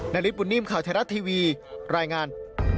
นาริปุ่นนิ่มข่าวแท้รัฐทีวีรายงาน